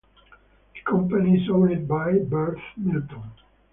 The company is owned by Berth Milton.